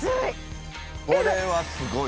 これはすごい。